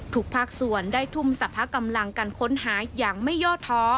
ภาคส่วนได้ทุ่มสรรพกำลังการค้นหาอย่างไม่ย่อท้อ